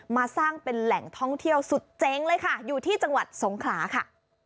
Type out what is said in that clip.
มาสร้างเป็นแหล่งท่องเที่ยวสุดเจ๊งเลยค่ะอยู่ที่จังหวัดสงขลาค่ะ